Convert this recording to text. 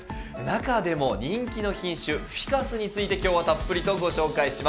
中でも人気の品種フィカスについて今日はたっぷりとご紹介します。